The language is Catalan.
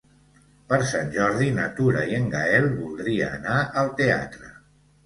Per Sant Jordi na Tura i en Gaël voldria anar al teatre.